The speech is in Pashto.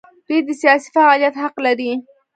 دوی د سیاسي فعالیت حق لري.